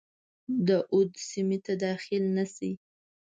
د اود سیمي ته داخل نه شي.